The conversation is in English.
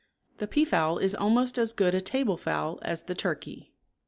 The peafowl is almost as good a table fowl as the turkey.